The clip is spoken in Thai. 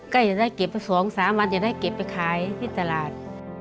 ก็อย่าได้เก็บไปสองสามวันอย่าได้เก็บไปขายที่ตลาด